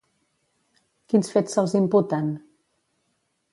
Quins fets se'ls imputen?